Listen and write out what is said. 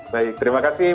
baik terima kasih